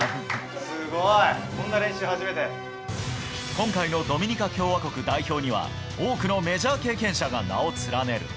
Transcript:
今回のドミニカ共和国代表には多くのメジャー経験者が名を連ねる。